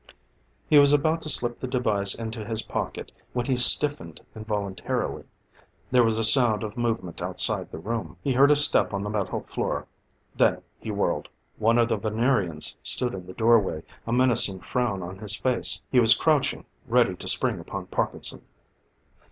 He was about to slip the device into his pocket when he stiffened involuntarily. There was a sound of movement outside the room he heard a step on the metal floor then he whirled. One of the Venerians stood in the doorway, a menacing frown on his face. He was crouching, ready to spring upon Parkinson.